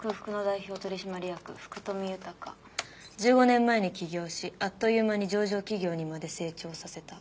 １５年前に起業しあっという間に上場企業にまで成長させた。